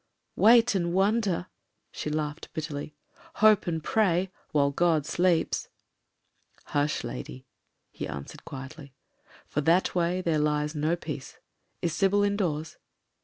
"Wait and wonder!" She laughed bitterly. "Hope and pray — ^while God sleeps." "Hush, lady!" he answered quietly; "for that way there lies no peace. Is Sybil indoors?"